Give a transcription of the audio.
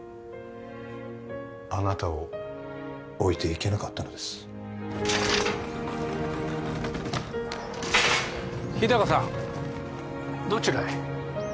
あなたを置いていけなかったのです日高さんどちらへ？